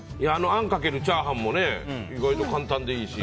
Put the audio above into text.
あんかけのチャーハンも意外と簡単でいいし。